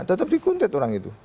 tetap dikuntit orang itu